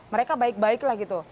mereka baik baik lah gitu